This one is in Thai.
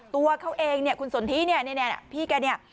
ตัวเขาเองเนี่ยคุณสนทิเนี่ยพี่แกเนี่ย